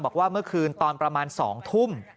บอกว่าเมื่อคืนตอนประมาณ๒ทุ่ม